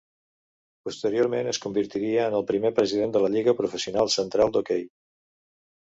Posteriorment es convertiria en el primer president de la Lliga Professional Central d'Hoquei.